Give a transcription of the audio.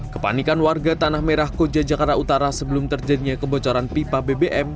kepanikan warga tanah merah koja jakarta utara sebelum terjadinya kebocoran pipa bbm